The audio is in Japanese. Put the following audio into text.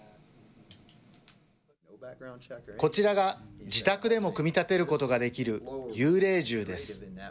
こちらが自宅でも組み立てることができる幽霊銃です。